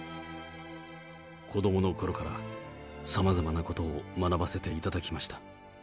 子どものころからさまざまなことを学ばせていただきました。